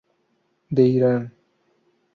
De Irán.